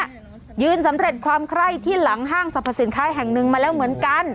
ยืนสำเร็จความไคร้ที่หลังห้างสรรพสินค้าแห่งหนึ่งมาแล้วเหมือนกัน